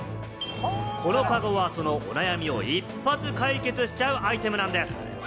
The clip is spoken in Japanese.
このカゴはそのお悩みを一発解決しちゃうアイテムなんです。